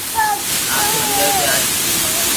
آپ ھي ھمجاوي دي اج ھي